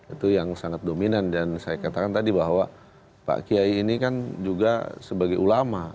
itu yang sangat dominan dan saya katakan tadi bahwa pak kiai ini kan juga sebagai ulama